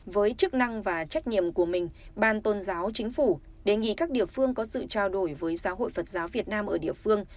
với chức năng và trách nhiệm của mình ban tôn giáo chính phủ đề nghị các địa phương có sự trao đổi với giáo hội phật giáo việt nam ở địa phương